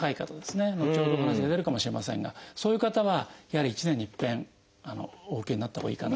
後ほどお話で出るかもしれませんがそういう方はやはり１年にいっぺんお受けになったほうがいいかなと。